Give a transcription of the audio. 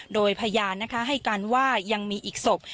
โดยพยานให้การว่ายังมีอีกศพ